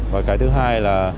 và cái thứ hai là